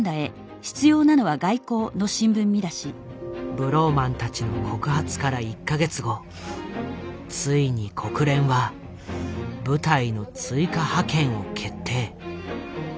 ブローマンたちの告発から１か月後ついに国連は部隊の追加派遣を決定。